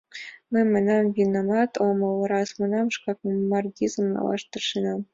Мый, манам, винамат омыл, раз, манам, шкак Маргизым налаш тыршенат.